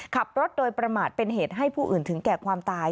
ขับรถโดยประมาทเป็นเหตุให้ผู้อื่นถึงแก่ความตาย